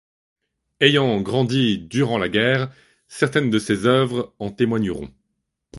Ayant grandi durant la guerre, certaines de ses œuvres en témoigneront.